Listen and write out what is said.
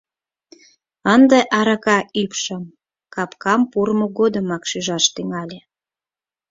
Ынде арака ӱпшым капкам пурымо годымак шижаш тӱҥале.